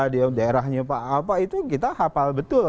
di daerahnya pak apa itu kita hafal betul